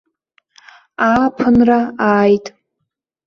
Ааԥынра ааит!